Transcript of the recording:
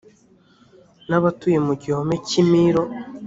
n abatuye mu gihome cy i milo